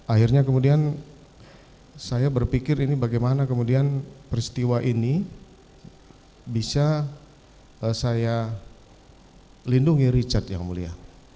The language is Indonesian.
akhirnya kemudian saya berpikir ini bagaimana kemudian peristiwa ini bisa saya lindungi richard yang mulia